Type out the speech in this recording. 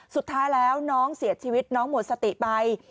สุดท้ายแล้วน้องเสียชีวิตน้องหมดสติไป